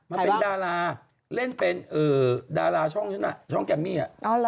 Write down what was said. มันเป็นดาราเล่นเป็นดาราช่องนั้นช่องแกมมี่